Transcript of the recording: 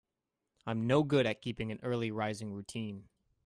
I'm no good at keeping an early rising routine.